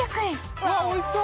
うわおいしそう・